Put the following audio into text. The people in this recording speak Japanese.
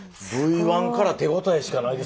Ｖ１から手応えしかないですね。